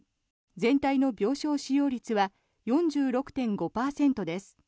全体の病床使用率は４６．５％です。